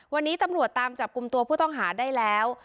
วันนี้ตำรวจตามจับกลุ่มตัวผู้ต้องหาได้แล้ว